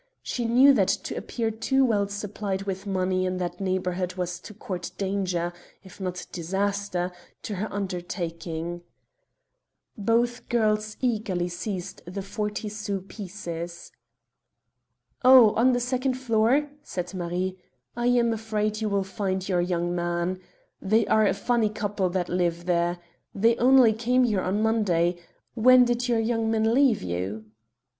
She knew that to appear too well supplied with money in that neighbourhood was to court danger, if not disaster, to her undertaking. Both girls eagerly seized the forty sous pieces. "Oh, on the second floor," said Marie, "I am afraid you will find your young man. They are a funny couple that live there. They only came here on Monday. When did your young man leave you?"